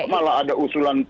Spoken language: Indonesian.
malah ada usulan tiga periode